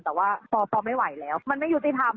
แต่ว่าพอไม่ไหวแล้วมันไม่ยุติธรรม